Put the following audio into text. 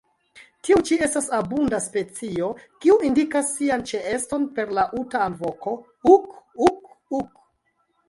Tiu ĉi estas abunda specio, kiu indikas sian ĉeeston per laŭta alvoko "uk-uk-uk".